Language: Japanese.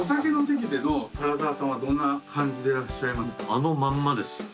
あのまんまです。